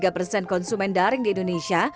enam puluh tiga persen konsumen daring di indonesia